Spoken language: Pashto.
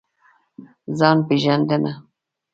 ځان پېژندنه.